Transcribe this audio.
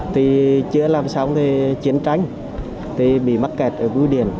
thì chưa làm xong thì chiến tranh thì bị mắc kẹt ở bưu điện